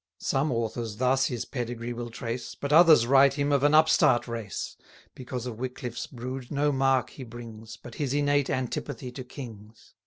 Some authors thus his pedigree will trace, But others write him of an upstart race: Because of Wickliff's brood no mark he brings, But his innate antipathy to kings.